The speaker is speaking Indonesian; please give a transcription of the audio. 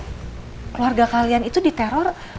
keluarga kalian itu diteror